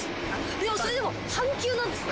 でもそれでも半休なんですね。